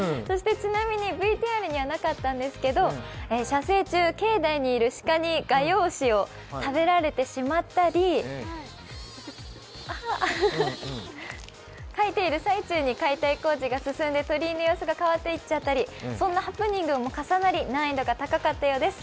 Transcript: ちなみにＶＴＲにはなかったんですけど、写生中、境内にいる鹿に画用紙を食べられてしまったり、描いている最中に解体が進んで鳥居の様子が変わっていっちゃったり、そんなハプニングも重なり難易度が高かったようです。